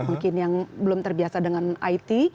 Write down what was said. mungkin yang belum terbiasa dengan it